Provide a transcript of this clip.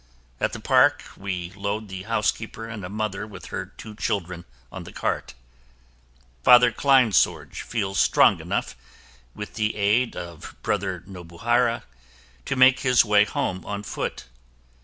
At the park, we load the housekeeper and a mother with her two children on the cart. Father Kleinsorge feels strong enough, with the aid of Brother Nobuhara, to make his way home on foot.